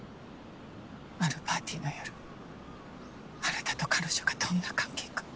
あのパーティーの夜あなたと彼女がどんな関係か。